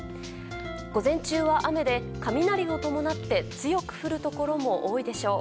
午前中は雨で雷を伴って強く降るところも多いでしょう。